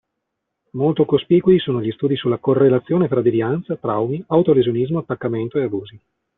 Molto cospicui sono gli studi sulla correlazione fra devianza, traumi, autolesionismo, attaccamento e abusi.